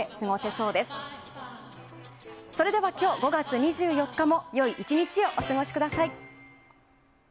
それでは今日５月２４日もよい１日をお過ごしください。